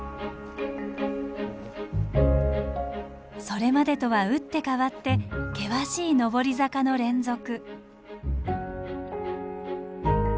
それまでとは打って変わって険しい上り坂の連続。